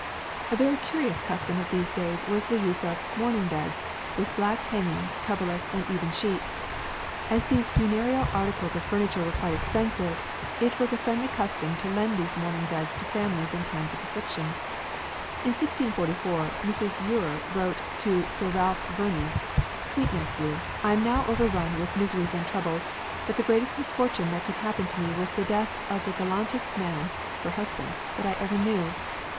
A very curious custom of these days was the use of "mourning beds," with black hangings, coverlets, and even sheets. As these funereal articles of furniture were quite expensive, it was a friendly custom to lend these mourning beds to families in time of affliction. In 1644 Mrs. Eure wrote to Sir Ralph Verney: "Sweet Nephew, I am now overrun with miserys and troubles, but the greatest misfortune that could happen to me was the death of the gallantest man (her husband) that I ever knew."